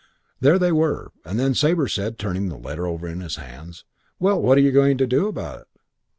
There they were; and then Sabre said, turning the letter over in his hands, 'Well, what are you going to do about it?'